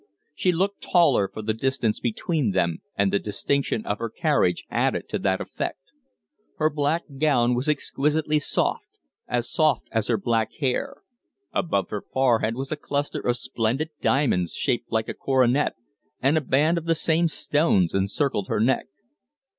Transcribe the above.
She looked taller for the distance between them, and the distinction of her carriage added to the effect. Her black gown was exquisitely soft as soft as her black hair; above her forehead was a cluster of splendid diamonds shaped like a coronet, and a band of the same stones encircled her neck.